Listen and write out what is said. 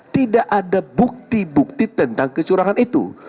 tidak ada bukti bukti tentang kecurangan itu